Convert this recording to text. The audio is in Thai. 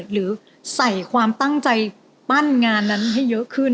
หรือใส่ความตั้งใจปั้นงานนั้นให้เยอะขึ้น